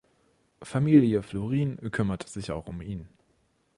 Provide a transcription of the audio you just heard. Familie Florin kümmerte sich auch um ihn.